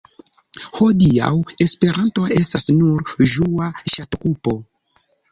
Hodiaŭ Esperanto estas nur ĝua ŝatokupo.